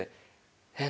「えっ？